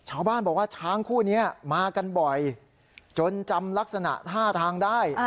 ชาวบ้านบอกว่าช้างคู่นี้มากันบ่อยจนจำลักษณะท่าทางได้